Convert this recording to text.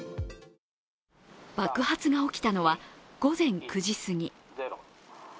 爆発が起きたのは午前９時すぎ。